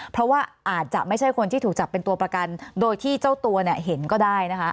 เพราะว่าอาจจะไม่ใช่คนที่ถูกจับเป็นตัวประกันโดยที่เจ้าตัวเนี่ยเห็นก็ได้นะคะ